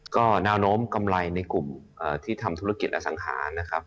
ก็แนวโน้มกำไรในกลุ่มที่ทำธุรกิจอสังหารนะครับ